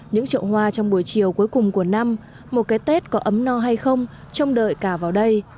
những trậu hoa trong buổi chiều cuối cùng của năm một cái tết có ấm no hay không trông đợi cả vào đây